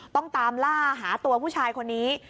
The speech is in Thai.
ต้องตามล่าหาตัวผู้ชายคนนี้